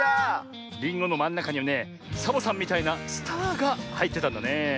りんごのまんなかにはねサボさんみたいなスターがはいってたんだねえ。